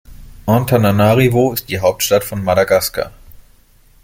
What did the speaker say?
Antananarivo ist die Hauptstadt von Madagaskar.